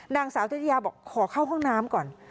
นางสาวจริยาบอกขอเข้าห้องน้ำก่อน